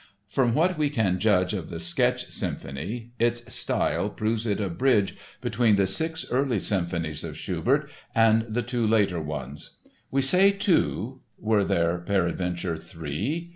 From what we can judge of the Sketch Symphony its style proves it a bridge between the six early symphonies of Schubert and the two later ones. We say two—were there, peradventure, three?